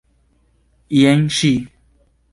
Jen ŝi!